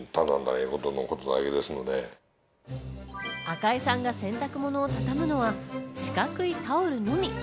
赤井さんが洗濯物をたたむのは四角いタオルのみ。